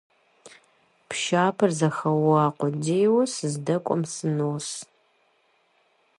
Пшапэр зэхэуа къудейуэ сыздэкӀуэм сынос.